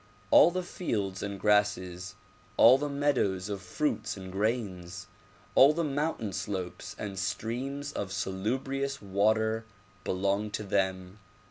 All the fields and grasses, all the meadows of fruits and grains, all the mountain slopes and streams of salub rious water belong to them.